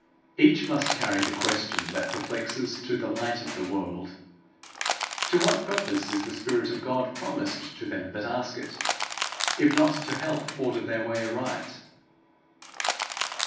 Each must carry the question that perplexes to the Light of the World. To what purpose is the spirit of God promised to them that ask it, if not to help them order their way aright?